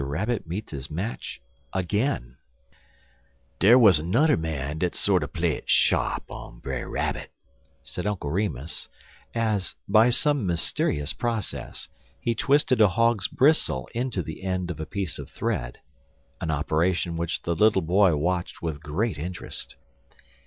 RABBIT MEETS HIS MATCH AGAIN "DERE wuz nudder man dat sorter play it sharp on Brer Rabbit," said Uncle Remus, as, by some mysterious process, he twisted a hog's bristle into the end of a piece of thread an operation which the little boy watched with great interest.